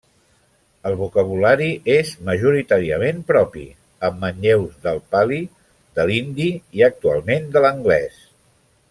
El vocabulari és majoritàriament propi, amb manlleus del pali, de l'hindi i actualment de l'anglès.